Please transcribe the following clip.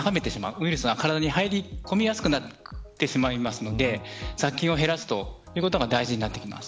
ウイルスが体に入り込みやすくなってしまうので雑菌を減らすということが大事です。